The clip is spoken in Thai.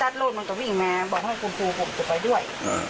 สตาร์ทโลดมันต้องวิ่งมาบอกให้คุณครูผมจะไปด้วย